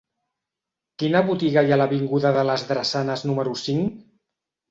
Quina botiga hi ha a l'avinguda de les Drassanes número cinc?